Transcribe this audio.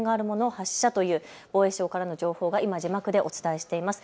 発射という防衛省からの情報が今、字幕でお伝えしています。